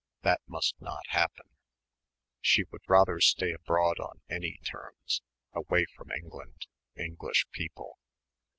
That must not happen. She would rather stay abroad on any terms away from England English people.